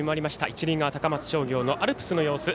一塁側、高松商業のアルプスの様子